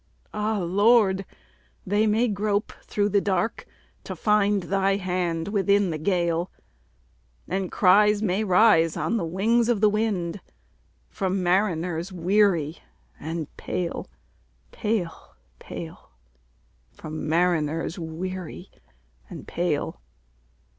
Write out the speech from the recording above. Ah, Lord! they may grope through the dark to find Thy hand within the gale; And cries may rise on the wings of the wind From mariners weary and pale, pale, pale From mariners weary and pale!